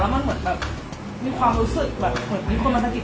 มันเหมือนแบบมีความรู้สึกแบบเหมือนมีคนมาทำกิจ